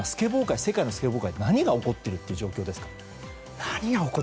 世界のスケボー界で何が起こっている状況ですか？